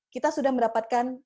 kita sudah mendapatkan